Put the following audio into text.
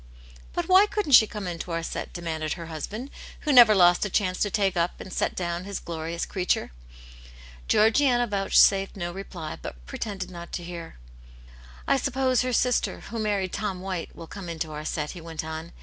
" But why couldn't she come into our set ?" de manded her husband, who never lost a chance to take up, and set down, his glorious creature. Georgiana vouchsafed no reply, but pretended not to hear. " I suppose her sister, who married Tom White, will come into our set," he went on.